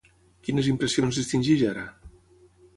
Quines impressions distingeix ara?